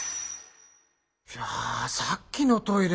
いやさっきのトイレ